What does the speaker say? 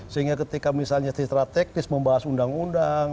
sehingga ketika misalnya si strategis membahas undang undang